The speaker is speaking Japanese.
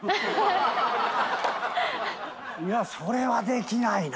それはできないな。